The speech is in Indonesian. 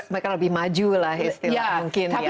mereka lebih maju lah istilahnya mungkin ya